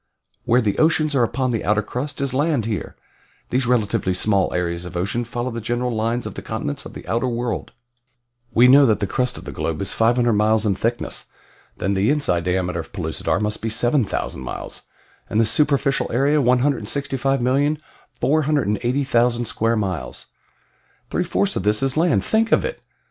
Where the oceans are upon the outer crust, is land here. These relatively small areas of ocean follow the general lines of the continents of the outer world. "We know that the crust of the globe is 500 miles in thickness; then the inside diameter of Pellucidar must be 7,000 miles, and the superficial area 165,480,000 square miles. Three fourths of this is land. Think of it!